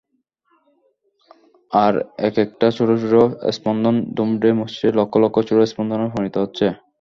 আর একেকটা ছোট ছোট স্পন্দন দুমড়ে মুচড়ে লক্ষ লক্ষ ছোট স্পন্দনে পরিণত হচ্ছে।